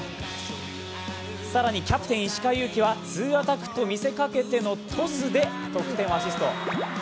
更にキャプテン・石川祐希はツーアタックと見せかけてのトスで得点をアシスト。